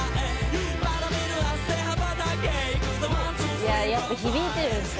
いややっぱ響いてるんすよ